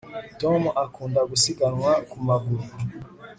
tom akunda gusiganwa ku maguru